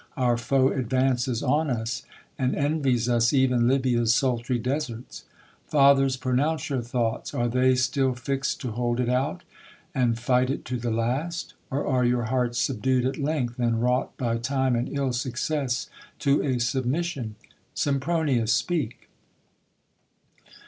Our foe advances on us, And envies us even Lybia's sultry deserts. Fathers, pronounce your thoughts ; are they still fix'd To hold it out, and fight it to the last ? Or are your hearts subdued at length, and WTOUght By time and ill success to a submission ? Sempronius, speak.